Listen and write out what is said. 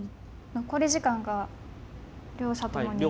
残り時間が両者ともに。